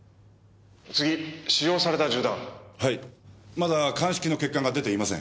まだ鑑識の結果が出ていません。